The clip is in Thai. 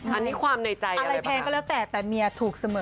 อันนี้ความในใจอะไรแพงก็แล้วแต่แต่เมียถูกเสมอ